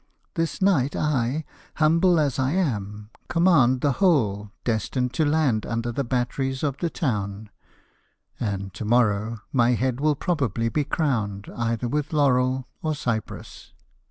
This night I, humble as I am, command the whole destined to land under the batteries of the town ; and to morrow my head will probably be crowned either with laurel or cypress.